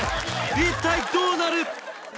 一体どうなる！？